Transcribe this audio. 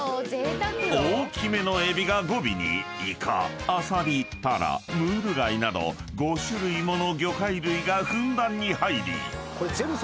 ［大きめのエビが５尾にいかアサリたらムール貝など５種類もの魚介類がふんだんに入り］